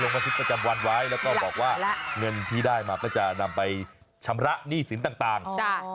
บันทึกประจำวันไว้แล้วก็บอกว่าเงินที่ได้มาก็จะนำไปชำระหนี้สินต่าง